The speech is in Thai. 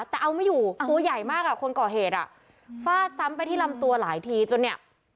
แต่เอาไม่อยู่ตัวใหญ่มากอ่ะคนก่อเหตุอ่ะฟาดซ้ำไปที่ลำตัวหลายทีจนเนี่ย